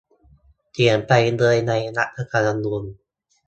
เขียนไปเลยในรัฐธรรมนูญ